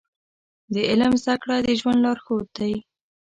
د علم زده کړه د ژوند لارښود دی.